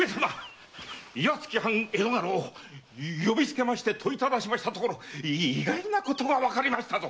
岩槻藩江戸家老を呼びつけて問いただしたところ意外なことがわかりましたぞ！